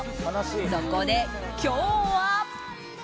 そこで今日は。